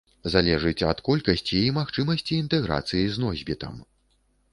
Залежыць ад колькасці і магчымасці інтэграцыі з носьбітам.